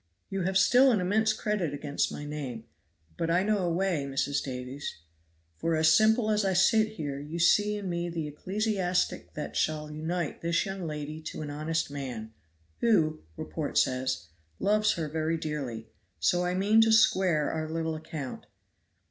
You have still an immense Cr. against my name; but I know a way Mrs. Davies, for as simple as I sit here you see in me the ecclesiastic that shall unite this young lady to an honest man, who, report says, loves her very dearly; so I mean to square our little account."